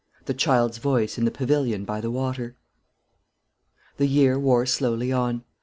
THE CHILD'S VOICE IN THE PAVILION BY THE WATER. The year wore slowly on.